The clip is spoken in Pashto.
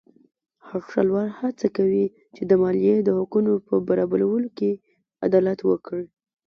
هر ښاروال هڅه کوي چې د مالیې د حقونو په برابرولو کې عدالت وکړي.